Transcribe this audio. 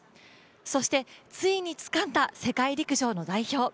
そしてついにつかんだ世界陸上の代表。